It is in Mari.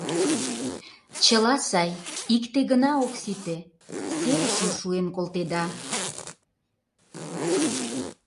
Чыла сай, икте гына ок сите — серышым шуэн колтеда.